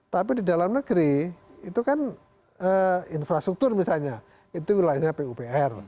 tapi di dalam negeri itu kan infrastruktur misalnya itu wilayahnya pupr